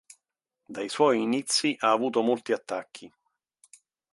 Dai suoi inizi ha avuto molti attacchi.